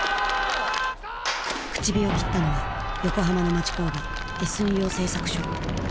口火を切ったのは横浜の町工場Ｓ陽製作所。